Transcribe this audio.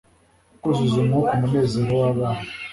Kuzuza umwuka umunezero wabana